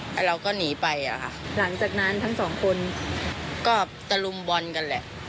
แล้วเราก็หนีไปอ่ะค่ะหลังจากนั้นทั้งสองคนก็ตะลุมบอลกันแหละ